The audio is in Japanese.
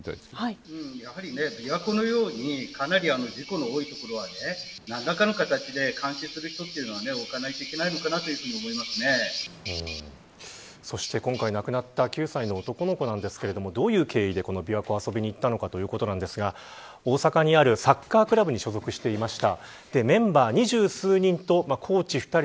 やはり琵琶湖のようにかなり事故の多い所は何らかの形で監視する人は置かないといけないのかなとそして今回亡くなった９歳の男の子なんですがどういう経緯で琵琶湖に遊びに行ったのかということなんですが大阪にあるサッカークラブに所属していました。